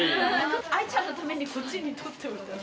藍ちゃんのためにこっちに取っておいたの。